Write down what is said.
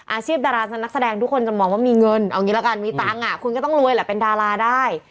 ดารานักแสดงทุกคนจะมองว่ามีเงินเอางี้ละกันมีตังค์คุณก็ต้องรวยแหละเป็นดาราได้